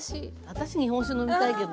私日本酒飲みたいけどね。